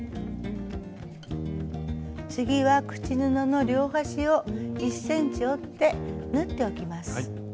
次は口布の両端を１ｃｍ折って縫っておきます。